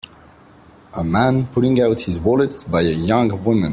A man pulling out his wallet by a young woman.